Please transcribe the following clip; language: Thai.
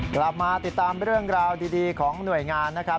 กลับมาติดตามเรื่องราวดีของหน่วยงานนะครับ